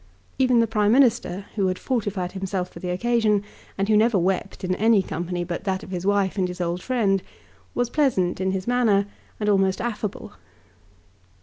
Even the Prime Minister, who had fortified himself for the occasion, and who never wept in any company but that of his wife and his old friend, was pleasant in his manner and almost affable.